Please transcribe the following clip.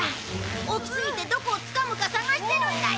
大きすぎてどこをつかむか探してるんだよ。